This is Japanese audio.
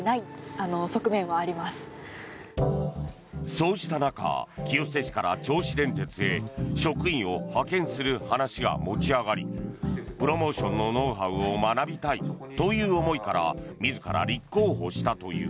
そうした中清瀬市から銚子電鉄へ職員を派遣する話が持ち上がりプロモーションのノウハウを学びたいという思いから自ら立候補したという。